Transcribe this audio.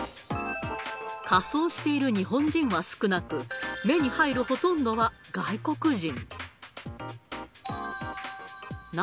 仮装している日本人は少なく、目に入るほとんどは外国人。